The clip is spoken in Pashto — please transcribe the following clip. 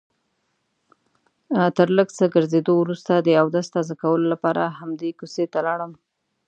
تر لږ څه ګرځېدو وروسته د اودس تازه کولو لپاره همدې کوڅې ته لاړم.